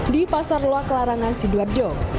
di pasar luar kelarangan sidoarjo